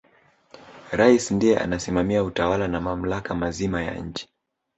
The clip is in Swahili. rais ndiye anasimamia utawala na mamlaka mazima ya nchi